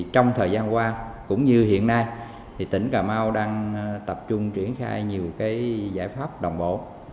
thời gian qua cũng như hiện nay thì tỉnh cà mau đang tập trung triển khai nhiều cái giải pháp đồng bộ